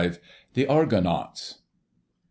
* *THE ARGONAUTS.*